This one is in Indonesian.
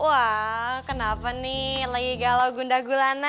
wah kenapa nih lagi galau gunda gulana lu ya